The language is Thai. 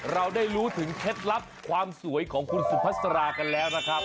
เราได้รู้ถึงเคล็ดลับความสวยของคุณสุพัสรากันแล้วนะครับ